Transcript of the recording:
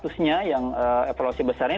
satusnya yang evolusi besarnya